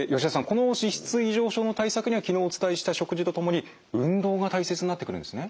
この脂質異常症の対策には昨日お伝えした食事と共に運動が大切になってくるんですね。